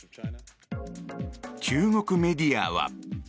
中国メディアは。